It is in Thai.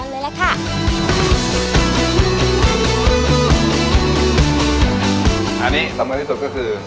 อันนี้สำคัญที่ตกก็คือดันดัน